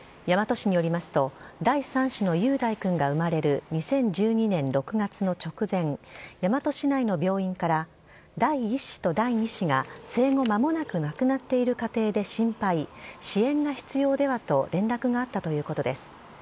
大和市によりますと、第３子の雄大君が生まれる２０１２年６月の直前、大和市内の病院から、第１子と第２子が生後まもなく亡くなっている家庭で心配、支援が必要ではと連絡があったということです。